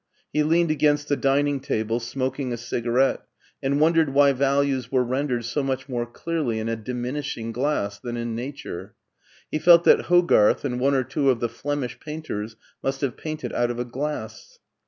He leaned against the dining table smoking a cigarette, and vfon^ dered why values were rendered so much more clearly in a diminishing glass than in nature. He felt that Hogarth and one or two of the Flemish painters must have painted out of a glass.